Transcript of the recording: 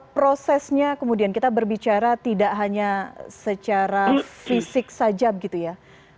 prosesnya kemudian kita berbicara tidak hanya secara fisik saja begitu ya